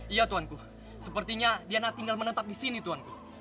iya tuhanku sepertinya diana tinggal menetap di sini tuhanku